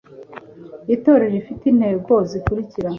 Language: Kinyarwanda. itorero rifite intego zikurikira